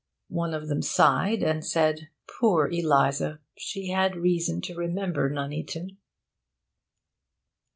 One of them sighed, and said, 'Poor Eliza! She had reason to remember Nuneaton!'...